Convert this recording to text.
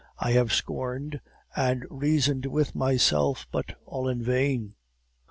I have scorned and reasoned with myself, but all in vain.